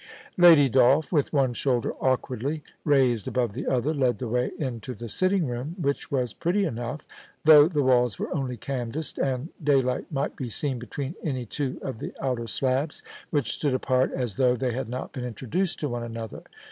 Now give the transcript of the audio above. Lady Dolph, with one shoulder awkwardly raised above the other, led the way into the sitting room, which was pretty enough, though the walls were only canvased, and daylight might be seen between any two of the outer slabs, which stood apart as though they had not been introduced to one another.